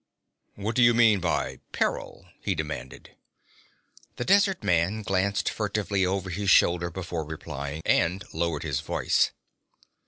'What do you mean by peril?' he demanded. The desert man glanced furtively over his shoulder before replying, and lowered his voice.